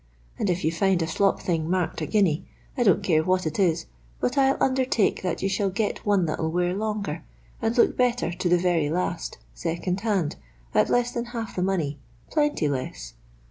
And if you find a slop thing marked a guinea, I don't care what it is, but I '11 undertike that you shall get one that '11 wear longer, and look better to the very last, second hand, at less than half the money, plenty less.